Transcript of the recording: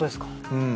うん。